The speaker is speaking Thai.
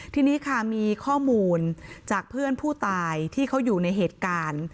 ทีนี้ค่ะมีข้อมูลจากเพื่อนผู้ตายที่เขาอยู่ในเหตุการณ์